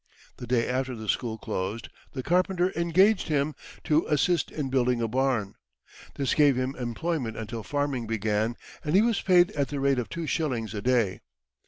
The day after the school closed, the carpenter engaged him to assist in building a barn. This gave him employment until farming began, and he was paid at the rate of two shillings a day.